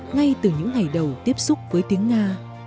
ngay từ những ngày đầu tiếp xúc với tiếng nga